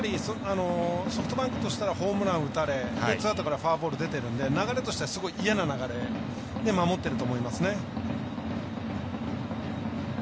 ソフトバンクとしたらホームラン打たれツーアウトからフォアボール出てるので、流れとしてはすごい嫌な流れで守っていると思います。